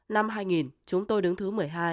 năm hai nghìn chúng tôi đứng thứ một mươi hai